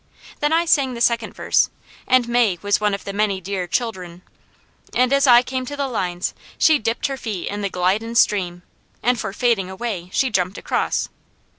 Then I sang the second verse, and May was one of the "many dear childurn," and as I came to the lines she dipped her feet in the "glidin' stream," and for "fading away," she jumped across.